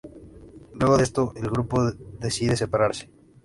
Luego de esto el grupo decide separarse.